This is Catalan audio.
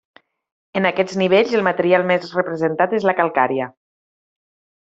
En aquests nivells el material més representat és la calcària.